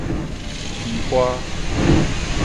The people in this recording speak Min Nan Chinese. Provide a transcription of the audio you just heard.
虛華